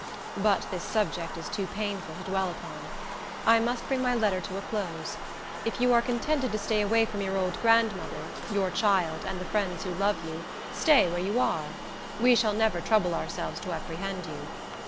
But this subject is too painful to dwell upon. I must bring my letter to a close. If you are contented to stay away from your old grandmother, your child, and the friends who love you, stay where you are. We shall never trouble ourselves to apprehend you.